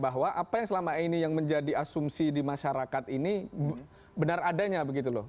bahwa apa yang selama ini yang menjadi asumsi di masyarakat ini benar adanya begitu loh